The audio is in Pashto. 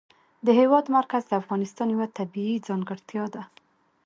د هېواد مرکز د افغانستان یوه طبیعي ځانګړتیا ده.